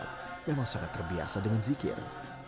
pengikut tarekat memang sangat terbiasa dengan zikir